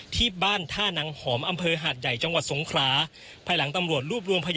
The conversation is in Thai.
ที่บ้านท่านังหอมอำเภอหาดใหญ่จังหวัดสงคราภายหลังตำรวจรวบรวมพยา